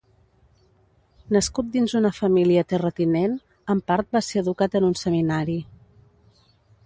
Nascut dins una família terratinent, en part va ser educat en un seminari.